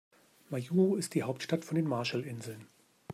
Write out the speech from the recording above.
Majuro ist die Hauptstadt von den Marshallinseln.